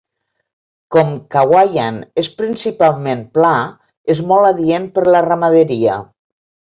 Com Cawayan és principalment pla, és molt adient per la ramaderia.